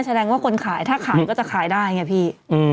แสดงว่าคนขายถ้าขายก็จะขายได้ไงพี่